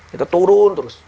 kita turun terus